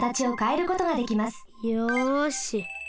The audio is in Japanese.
よし。